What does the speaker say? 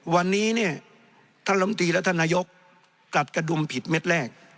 วันนี้เนี่ยท่านลำตีและท่านนายกกัดกระดุมผิดเม็ดแรก